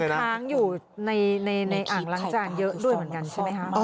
ค้างอยู่ในอ่างล้างจานเยอะด้วยเหมือนกันใช่ไหมคะ